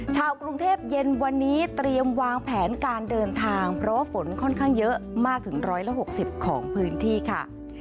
ชาวกรุงเทพเย็นวันนี้เตรียมวางแผนการเดินทางเพราะว่าฝนค่อนข้างเยอะมากถึง๑๖๐ของพื้นที่ค่ะ